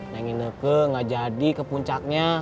nyanyi neke gak jadi ke puncaknya